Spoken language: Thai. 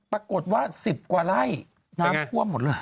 ปรากฏว่า๑๐กว่าไร่น้ำท่วมหมดเลย